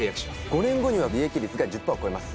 ５年後には利益率が１０％を超えます